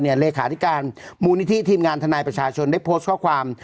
เลขาธิการมูลนิธิทีมงานทนายประชาชนได้โพสต์ข้อความ